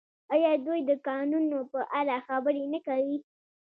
آیا دوی د کانونو په اړه خبرې نه کوي؟